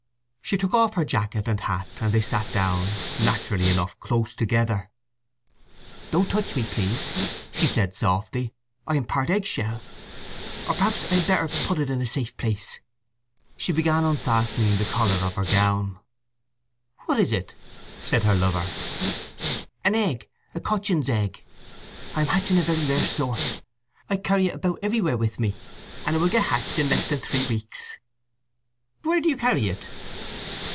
She took off her jacket and hat, and they sat down—naturally enough close together. "Don't touch me, please," she said softly. "I am part egg shell. Or perhaps I had better put it in a safe place." She began unfastening the collar of her gown. "What is it?" said her lover. "An egg—a cochin's egg. I am hatching a very rare sort. I carry it about everywhere with me, and it will get hatched in less than three weeks." "Where do you carry it?"